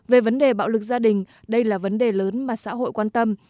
về vấn đề bạo lực gia đình đây là vấn đề lớn mà xã hội quan tâm